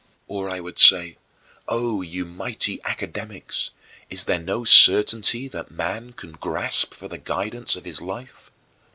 Or I would say:"O you mighty Academics, is there no certainty that man can grasp for the guidance of his life?